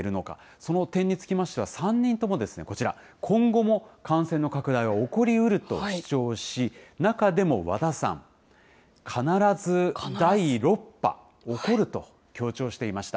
その点につきましては、３人ともこちら、今後も感染の拡大は起こりうると主張し、中でも和田さん、必ず第６波、起こると強調していました。